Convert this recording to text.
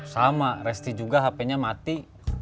sama resti juga hp nya mati